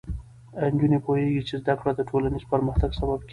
ایا نجونې پوهېږي چې زده کړه د ټولنیز پرمختګ سبب کېږي؟